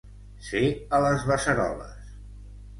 Ser a les beceroles.